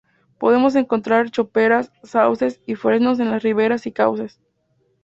Podemos encontrar choperas, sauces y fresnos en las riberas y cauces.